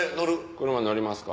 車に乗りますか。